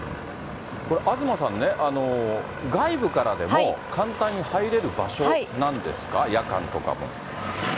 これ、東さんね、外部からでも、簡単に入れる場所なんですか、夜間とかも。